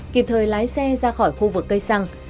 kịp thời lái xe ra khỏi khu vực cây xăng